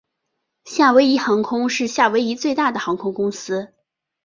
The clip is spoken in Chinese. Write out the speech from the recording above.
夏威夷航空是夏威夷最大的航空公司。